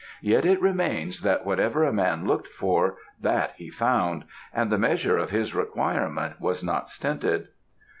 Yet it remains that whatever a man looked for, that he found, and the measure of his requirement was not stinted.